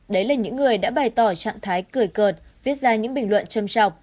đấy là những người đã bày tỏ trạng thái cười cợt viết ra những bình luận châm trọc